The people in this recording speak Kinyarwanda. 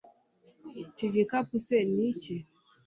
iki gikapu se ni icye